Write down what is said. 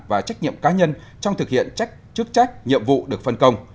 và trách nhiệm cá nhân trong thực hiện chức trách nhiệm vụ được phân công